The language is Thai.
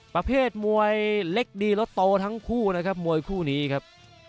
ประเภทมวยเล็กดีแล้วโตทั้งคู่นะครับมวยคู่นี้ครับ